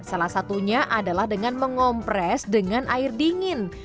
salah satunya adalah dengan mengompres dengan air dingin